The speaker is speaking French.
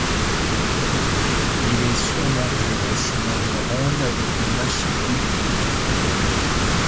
Il est surmonté d'un chemin de ronde avec des mâchicoulis.